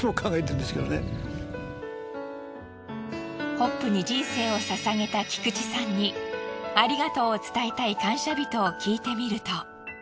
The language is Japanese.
ホップに人生をささげた菊池さんにありがとうを伝えたい感謝人を聞いてみると。